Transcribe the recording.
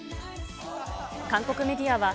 韓国メディアは、